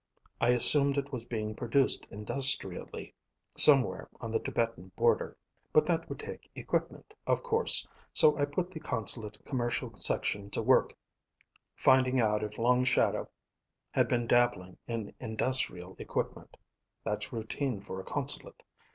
I assumed it was being produced industrially somewhere on the Tibetan border. But that would take equipment, of course, so I put the consulate commercial section to work finding out if Long Shadow had been dabbling in industrial equipment. That's routine for a consulate.